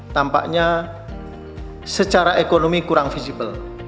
tampaknya secara ekonomi kurang visible